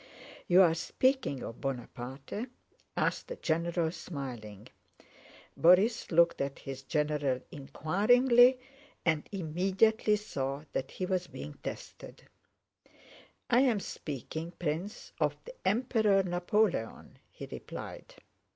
"You are speaking of Buonaparte?" asked the general, smiling. Borís looked at his general inquiringly and immediately saw that he was being tested. "I am speaking, Prince, of the Emperor Napoleon," he replied.